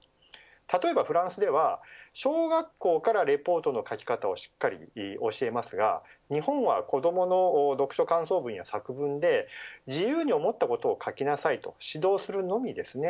例えばフランスでは、小学校からレポートの書き方をしっかり教えますが日本は子どもの読書感想文や作文で自由に思ったことを書きなさいと指導するのみです。